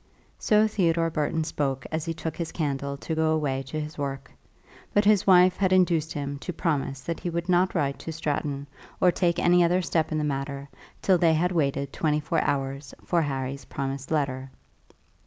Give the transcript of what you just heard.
So Theodore Burton spoke as he took his candle to go away to his work; but his wife had induced him to promise that he would not write to Stratton or take any other step in the matter till they had waited twenty four hours for Harry's promised letter.